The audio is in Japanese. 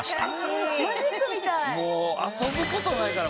もう遊ぶ事ないから。